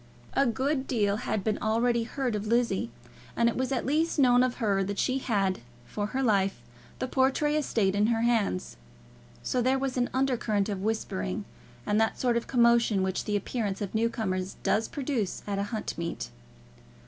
A good deal had been already heard of Lizzie, and it was at least known of her that she had, for her life, the Portray estate in her hands. So there was an undercurrent of whispering, and that sort of commotion which the appearance of new comers does produce at a hunt meet.